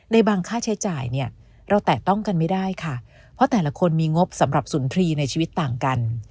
ในบางค่าใช้จ่ายเนี่ยเราแตะต้องกันไม่ได้ค่ะเพราะแต่ละคนมีงบสำหรับสุนทรีย์ในชีวิตต่างกัน